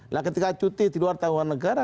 nah ketika cuti di luar tanggungan negara